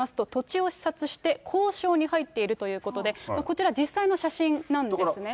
関係者によりますと、土地を視察して、交渉に入っているということで、こちら実際の写真なんですね。